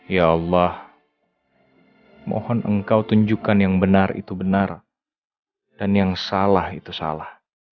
ya allah mohon engkau tunjukkan yang benar itu benar dan yang salah itu salah